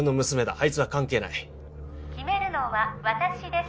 あいつは関係ない決めるのは私です